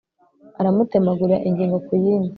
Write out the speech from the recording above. aramutemagura ingingo ku yindi